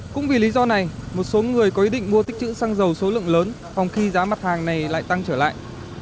cũng vì lý do này một số người có ý định mua tích chữ xăng dầu số lượng lớn phòng khi giá mặt hàng này lại tăng trở lại